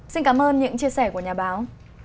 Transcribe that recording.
xin cảm ơn những chia sẻ của nhà báo